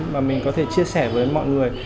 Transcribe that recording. và mình có thể chia sẻ với mọi người